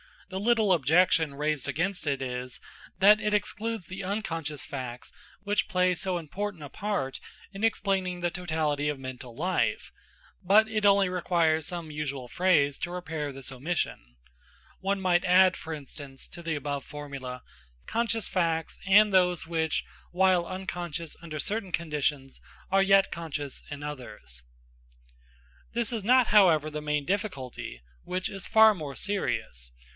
The little objection raised against it is, that it excludes the unconscious facts which play so important a part in explaining the totality of mental life; but it only requires some usual phrase to repair this omission. One might add, for instance, to the above formula: conscious facts and those which, while unconscious under certain conditions, are yet conscious in others. This is not, however, the main difficulty, which is far more serious.